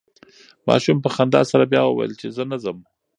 ماشوم په خندا سره بیا وویل چې زه نه ځم.